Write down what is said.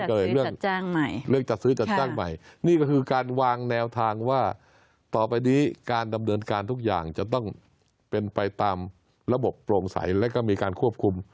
ก็เลยเรื่องใหม่เรื่องจัดซื้อจัดจ้างใหม่นี่ก็คือการวางแนวทางว่าต่อไปนี้การดำเนินการทุกอย่างจะต้องเป็นไปตามระบบโปร่งใสแล้วก็มีการควบคุม